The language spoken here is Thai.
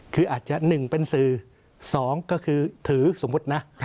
คืออาจจะ๑เป็นสื่อ๒ก็คือถือสมมุตินะ